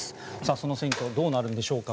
その選挙どうなるんでしょうか。